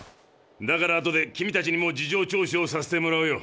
だから後で君たちにも事情聴取をさせてもらうよ。